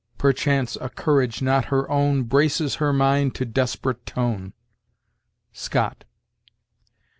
Perchance, a courage not her own Braces her mind to desperate tone." Scott.